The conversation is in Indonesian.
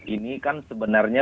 ini kan sebenarnya